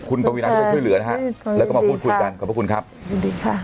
คุณปวีนาที่ไปช่วยเหลือนะฮะแล้วก็มาพูดคุยกันขอบพระคุณครับยินดีค่ะ